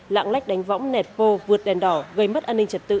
lạng lách đánh võng nẹt vô vượt đèn đỏ gây mất an ninh trật tự